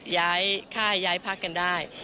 ย้ายค่ายย้ายพักกันได้